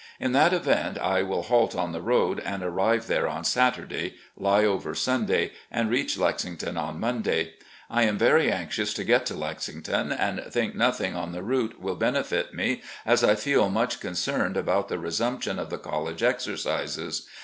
In that event, I will halt on the road, and arrive there on Saturday, lie over Sunday, and reach Lexington on Monday. I am very anxious to get to Lexington, and think nothing on the route will benefit me, as I feel much concerned about the resumption of the college exercises.